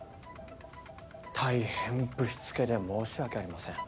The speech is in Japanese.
たいへんぶしつけで申し訳ありません。